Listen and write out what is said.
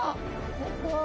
すっごい！